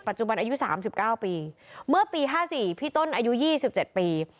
จุบันอายุ๓๙ปีเมื่อปี๕๔พี่ต้นอายุ๒๗ปี